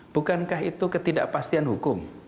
bukankah itu ketidakpastian hukum